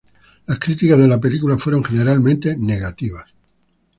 Las críticas de la película fueron generalmente negativas.